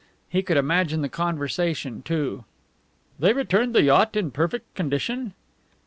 He could imagine the conversation, too. "They returned the yacht in perfect condition?"